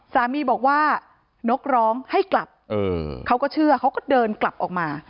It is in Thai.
สามีบอกว่านกร้องให้กลับเขาก็เชื่อเขาก็เดินกลับออกมา